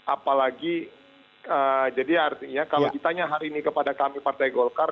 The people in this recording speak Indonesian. apalagi jadi artinya kalau ditanya hari ini kepada kami partai golkar